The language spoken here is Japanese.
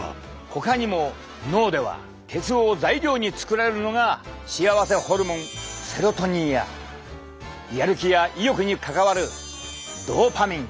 ほかにも脳では鉄を材料に作られるのが幸せホルモンセロトニンややる気や意欲に関わるドーパミン！